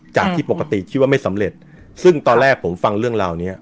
จากที่ปกติที่ว่าไม่สำเร็จซึ่งตอนแรกผมฟังเรื่องราวเนี้ย